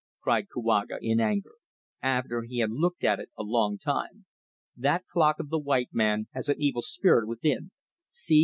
cried Kouaga in anger, after he had looked at it a long time. "That clock of the white men has an evil spirit within. See!